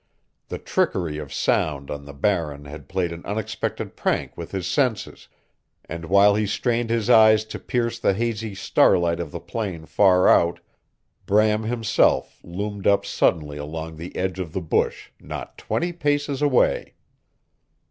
The trickery of sound on the Barren had played an unexpected prank with his senses, and while he strained his eyes to pierce the hazy starlight of the plain far out, Bram himself loomed up suddenly along the edge of the bush not twenty paces away.